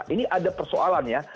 ini ada persoalannya